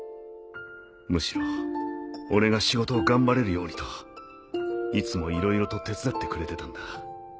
むしろ俺が仕事を頑張れるようにといつもいろいろと手伝ってくれてたんだ。